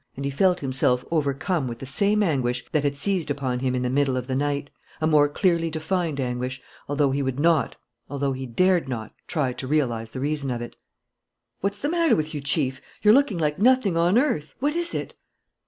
And he felt himself overcome with the same anguish that had seized upon him in the middle of the night, a more clearly defined anguish, although he would not, although he dared not, try to realize the reason of it. "What's the matter with you, Chief? You're looking like nothing on earth. What is it?"